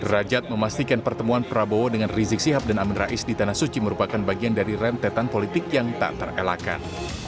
rajad memastikan pertemuan prabowo dengan rizik sihab dan amin rais di tanah suci merupakan bagian dari rentetan politik yang tak terelakkan